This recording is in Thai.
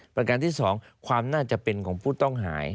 ประการที่๒ความน่าจะเป็นของผู้ต้องหา